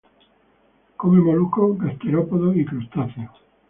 Come moluscos gasterópodos y crustáceos.